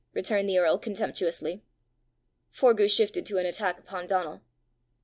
returned the earl contemptuously. Forgue shifted to an attack upon Donal.